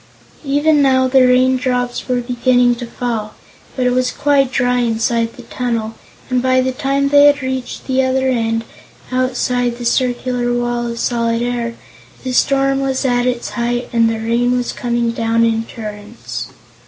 Even now the raindrops were beginning to fall, but it was quite dry inside the tunnel and by the time they had reached the other end, outside the circular Wall of Solid Air, the storm was at its height and the rain was coming down in torrents.